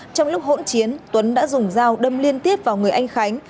trong lúc hỗn chiến tuấn đã dùng dao đâm liên tiếp vào người anh khánh